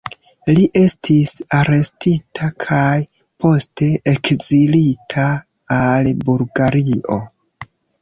Li estis arestita kaj poste ekzilita al Bulgario.